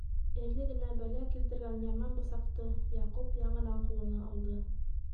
Эле генә бәлә килтергән яман бысаҡты Яҡуп яңынан ҡулына алды.